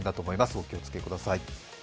お気をつけください。